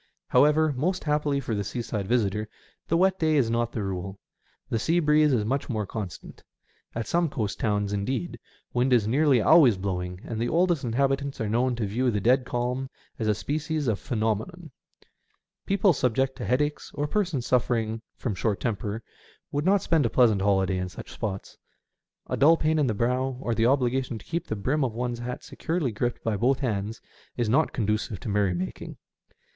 However, most happily for the seaside visitor, the wet day is not the rule. The sea breeze is much more constant. At some coast towns, indeed, wind is nearly always blowing, and the oldest inhabitants are known to view the dead calm as a species of phenomenon. People subject to headaches, or persons suffering from short temper, would not spend a pleasant holiday in such spots. A dull pain in the brow, or the obligation to keep the brim of one's hat securely gripped by both hands, is not conducive to merry making.